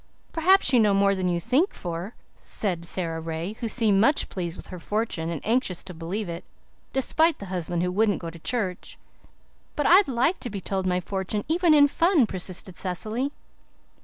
"Perhaps you know more than you think for," said Sara Ray, who seemed much pleased with her fortune and anxious to believe it, despite the husband who wouldn't go to church. "But I'd like to be told my fortune, even in fun," persisted Cecily.